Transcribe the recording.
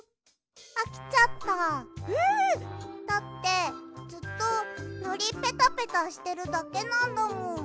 だってずっとのりペタペタしてるだけなんだもん。